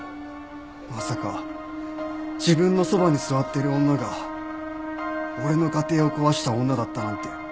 まさか自分のそばに座っている女が俺の家庭を壊した女だったなんて。